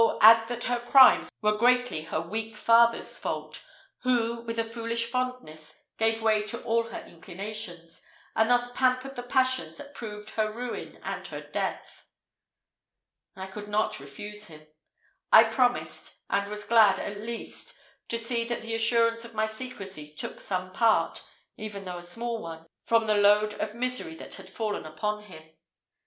add that her crimes were greatly her weak father's fault, who, with a foolish fondness, gave way to all her inclinations, and thus pampered the passions that proved her ruin and her death." I could not refuse him; I promised and was glad, at least, to see that the assurance of my secrecy took some part, even though a small one, from the load of misery that had fallen upon him.